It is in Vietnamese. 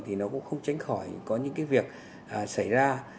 thì nó cũng không tránh khỏi có những cái việc xảy ra